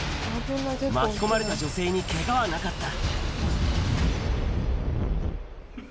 巻き込まれた女性にけがはなかった。